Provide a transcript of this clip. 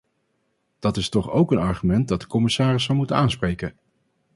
Dat is toch ook een argument dat de commissaris zal moeten aanspreken.